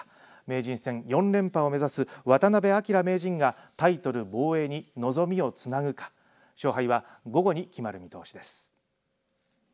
名人戦４連覇を目指す渡辺明名人がタイトル防衛に望みをつなぐか勝敗は午後に決まる見とおしです。